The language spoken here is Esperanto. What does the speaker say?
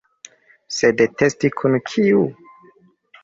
Sed testi kun kiu?